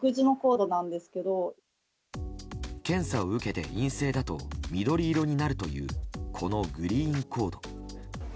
検査を受けて陰性だと緑色になるというこのグリーンコード。